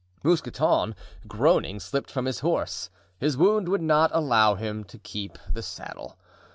Mousqueton, groaning, slipped from his horse, his wound not allowing him to keep the saddle.